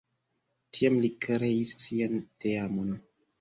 Tiam li kreis sian teamon.